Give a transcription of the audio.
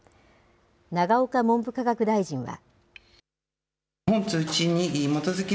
永岡文部科学大臣は。